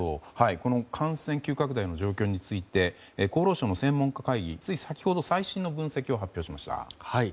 感染急拡大の状況について厚労省の専門家会議はつい先ほど最新の分析を発表しました。